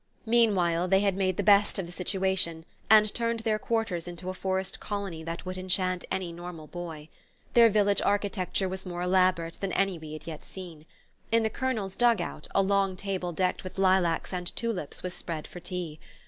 Meanwhile, they had made the best of the situation and turned their quarters into a forest colony that would enchant any normal boy. Their village architecture was more elaborate than any we had yet seen. In the Colonel's "dugout" a long table decked with lilacs and tulips was spread for tea.